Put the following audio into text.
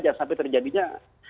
jangan sampai terjadinya